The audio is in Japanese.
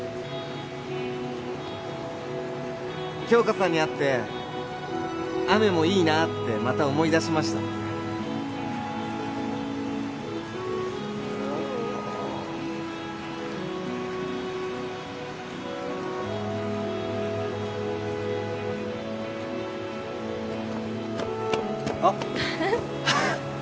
杏花さんに会って雨もいいなってまた思い出しましたあっ